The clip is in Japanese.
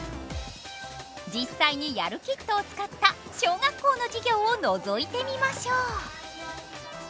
実際にやるキットを使った小学校の授業をのぞいてみましょう。